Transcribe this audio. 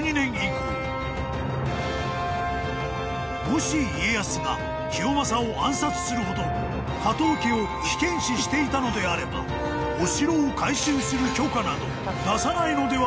［もし家康が清正を暗殺するほど加藤家を危険視していたのであればお城を改修する許可など出さないのではないだろうか？］